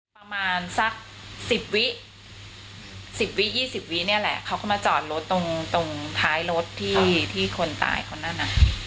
ประมาณสัก๑๐วิ๑๐วิ๒๐วิเนี่ยแหละเขาก็มาจอดรถตรงตรงท้ายรถที่คนตายคนนั้นน่ะ